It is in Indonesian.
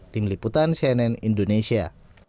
tim liputan cnn indonesia